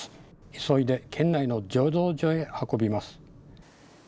急いで県内の醸造所へ運びます。